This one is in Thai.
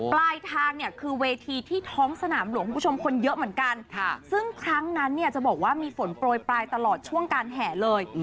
ปลายทางเนี่ยคือเวทีที่ท้องสนามหลวงคุณผู้ชมคนเยอะเหมือนกันซึ่งครั้งนั้นเนี่ยจะบอกว่ามีฝนโปรยปลายตลอดช่วงการแห่เลย